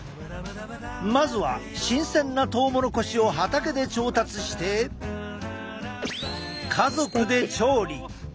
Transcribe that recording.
まずは新鮮なトウモロコシを畑で調達して家族で調理。